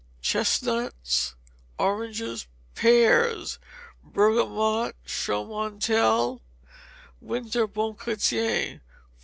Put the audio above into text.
Chestnuts, oranges. Pears: Bergamot, Chaumontel, winter Bon Chrétien.